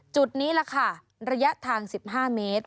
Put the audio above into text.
จุดนี้แหละค่ะระยะทาง๑๕เมตร